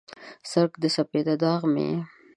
څرک د سپیده داغ مې یې